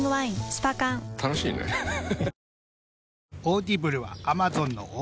スパ缶楽しいねハハハ